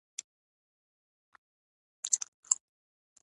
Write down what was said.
دوی د صوفي موسیقۍ ښه مظاهره کوي.